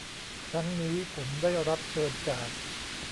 ครั้งนี้ผมได้รับเชิญจาก